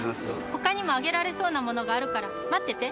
他にもあげられそうなものがあるから待ってて。